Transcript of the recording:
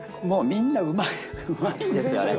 もう、みんなうまいんですよ。